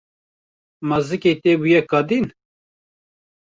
Ma zikê te bûye kadîn.